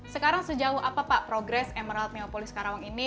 sekarang sejauh apa pak progres emerald neopolis karawang ini